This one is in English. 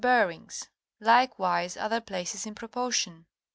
Beerings ; likewise other places in Proportion.